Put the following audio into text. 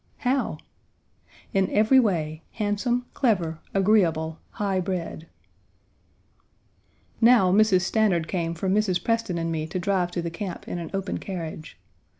"How?" "In every way handsome, clever, agreeable, high bred." Now, Mrs. Stanard came for Mrs. Preston and me to drive to the camp in an open carriage.